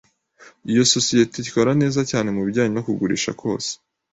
Iyo sosiyete ikora neza cyane mubijyanye no kugurisha kwose.